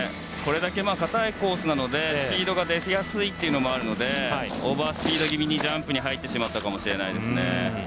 これだけ硬いコースなのでスピードが出やすいのもあるのでオーバースピード気味にジャンプに入ってしまったかもしれないですね。